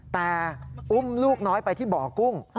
แต่อุ้มลูกน้อยไปที่บ่อกุ้ง